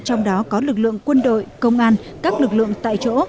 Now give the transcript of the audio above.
trong đó có lực lượng quân đội công an các lực lượng tại chỗ